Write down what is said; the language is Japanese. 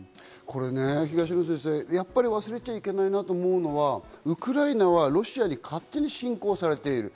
東野先生、忘れちゃいけないと思うのはウクライナはロシアに勝手に侵攻されている。